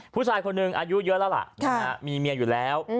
ผู้ชายคนหนึ่งอายุเยอะแล้วล่ะมีเมียอยู่แล้ว